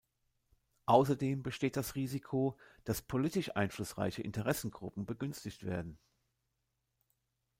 Außerdem besteht das Risiko, dass politisch einflussreiche Interessengruppen begünstigt werden.